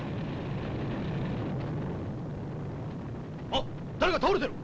あっ誰か倒れてる。